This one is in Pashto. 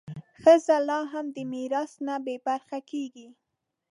ښځې لا هم د میراث نه بې برخې کېږي.